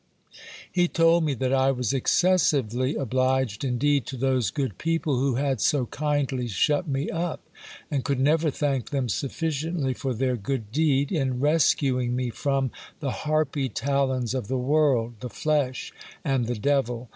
He told me that I was excessively obliged indeed to those good people who had so 242 GIL BLAS. kindly shut me up, and could never thank them sufficiently for their good deed, in rescuing me from the harpy talons of the world, the flesh, and the devil.